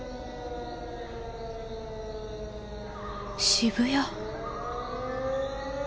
渋谷？